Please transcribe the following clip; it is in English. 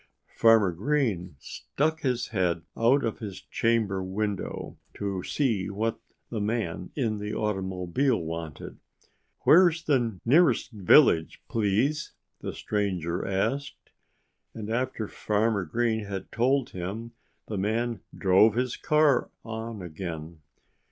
Farmer Green stuck his head out of his chamber window, to see what the man in the automobile wanted. "Where's the nearest village, please?" the stranger asked. And after Farmer Green had told him the man drove his car on again.